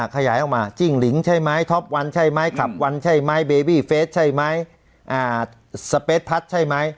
ขยายออกมาจิ้งหลิงใช่มั้ยท็อปวันใช่มั้ยขับวันใช่มั้ยเบบี้เฟสใช่มั้ยสเปสพัสใช่มั้ย